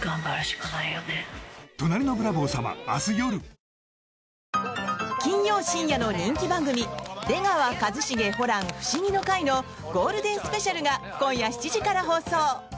お申込みは金曜深夜の人気番組「出川一茂ホラン☆フシギの会」のゴールデンスペシャルが今夜７時から放送。